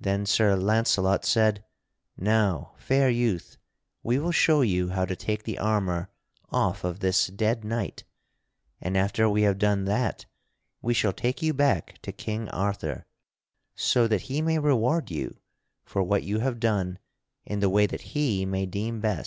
Then Sir Launcelot said: "Now, fair youth, we will show you how to take the armor off of this dead knight, and after we have done that, we shall take you back to King Arthur, so that he may reward you for what you have done in the way that he may deem best."